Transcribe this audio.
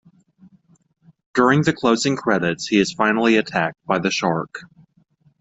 During the closing credits, he is finally attacked by the shark.